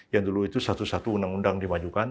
yang dulu itu satu satu undang undang dimajukan